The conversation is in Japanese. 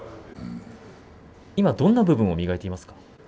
今どんなところを磨いていますか。